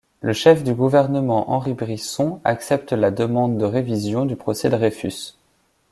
Le chef du gouvernement Henri Brisson accepte la demande de révision du procès Dreyfus.